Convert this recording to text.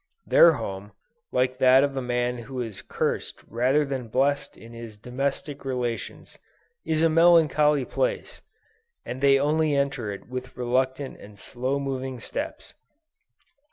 Their home, like that of the man who is cursed rather than blessed in his domestic relations, is a melancholy place: and they only enter it with reluctant and slow moving steps!